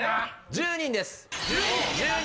１０人です。